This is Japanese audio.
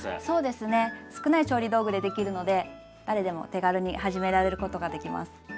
そうですね少ない調理道具でできるので誰でも手軽に始められることができます。